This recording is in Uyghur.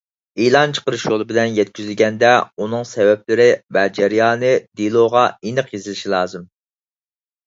ئېلان چىقىرىش يولى بىلەن يەتكۈزۈلگەندە، ئۇنىڭ سەۋەبلىرى ۋە جەريانى دېلوغا ئېنىق يېزىلىشى لازىم.